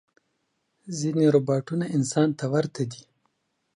ځینې روباټونه انسان ته ورته دي.